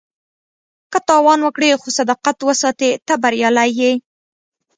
که تاوان وکړې خو صداقت وساتې، ته بریالی یې.